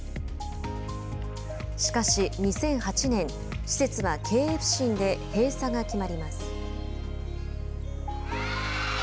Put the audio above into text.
しかし２００８年施設は経営不振で閉鎖が決まります。